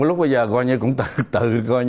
lúc bây giờ coi như cũng tự